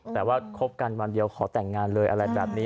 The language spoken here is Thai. แต่ว่าคบกันวันเดียวขอแต่งงานเลยอะไรแบบนี้